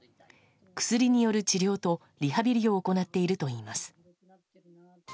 薬による治療とリハビリを行っているといいます。